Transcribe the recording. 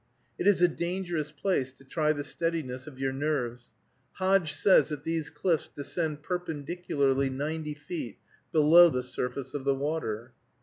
It is a dangerous place to try the steadiness of your nerves. Hodge says that these cliffs descend "perpendicularly ninety feet" below the surface of the water.